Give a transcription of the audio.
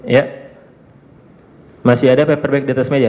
iya masih ada paper bag di atas meja